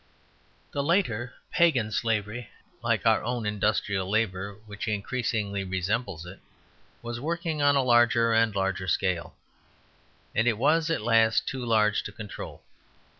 The later pagan slavery, like our own industrial labour which increasingly resembles it, was worked on a larger and larger scale; and it was at last too large to control.